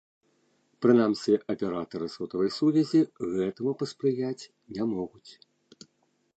Прынамсі, аператары сотавай сувязі гэтаму паспрыяць не могуць.